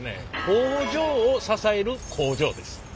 工場を支える工場です。